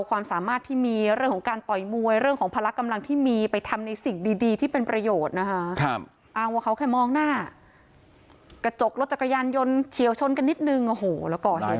ใครจะรู้เลยว่าทำแบบนี้ประเทศไทยมีแบบนี้หรอใครจะรู้หรอ